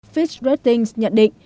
fitch ratings nhận định